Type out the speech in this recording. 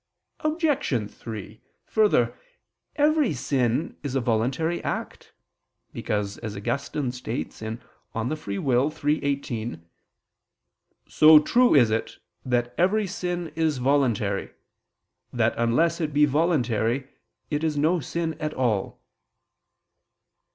Obj. 3: Further, every sin is a voluntary act, because, as Augustine states (De Lib. Arb. iii, 18) [*Cf. De Vera Relig. xiv.], "so true is it that every sin is voluntary, that unless it be voluntary, it is no sin at all."